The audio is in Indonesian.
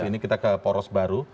ini kita ke poros baru